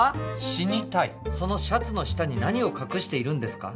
死にたいそのシャツの下に何を隠しているんですか？